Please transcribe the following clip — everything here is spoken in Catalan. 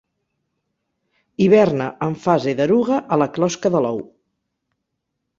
Hiverna en fase d'eruga a la closca de l'ou.